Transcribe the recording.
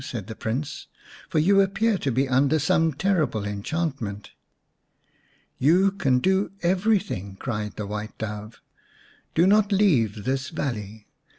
said the Prince. " For you appear to be under some terrible enchantment." " You can do everything," cried the White Dove. "Do not leave this valley.